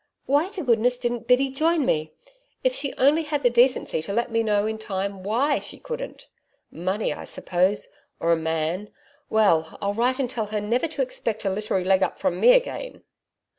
Why to goodness didn't Biddy join me! .... If she'd only had the decency to let me know in time WHY she couldn't.... Money, I suppose or a Man! .... Well, I'll write and tell her never to expect a literary leg up from me again...'